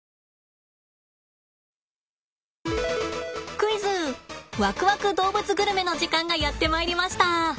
クイズわくわく動物グルメの時間がやってまいりました！